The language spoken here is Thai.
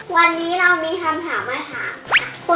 วันนี้เรามีคำถามมาถาม